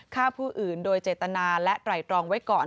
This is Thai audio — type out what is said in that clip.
ฆ่าผู้อื่นโดยเจตนาและไตรตรองไว้ก่อน